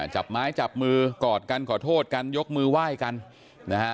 จับไม้จับมือกอดกันขอโทษกันยกมือไหว้กันนะฮะ